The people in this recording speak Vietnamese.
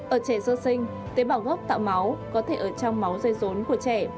ở trẻ sơ sinh tế bảo gốc tạo máu có thể ở trong máu giấy rốn của trẻ